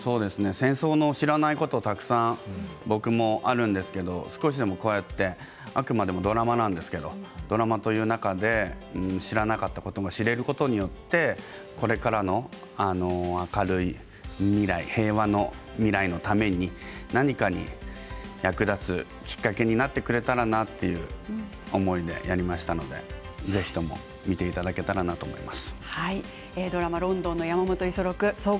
戦争の知らないことたくさん僕もあるんですけど少しでもこうやって、あくまでもドラマなんですけれどもドラマという中で知らなかったことを知れることによってこれからの明るい未来に平和な未来のために何かに役立つきっかけになってくれればなという思いでやりましたのでぜひとも見ていただけたらなと思います。